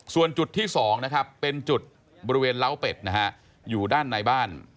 ส่วนจุดที่๒นะครับเป็นจุดบริเวณเล้าเป็ดนะฮะอยู่ด้านในบ้าน